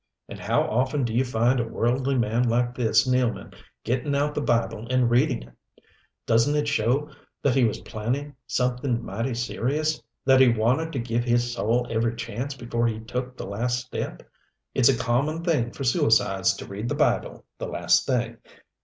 And how often do you find a worldly man like this Nealman getting out the Bible and reading it? Doesn't it show that he was planning something mighty serious that he wanted to give his soul every chance before he took the last step? It's a common thing for suicides to read the Bible the last thing.